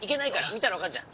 見たらわかるじゃん！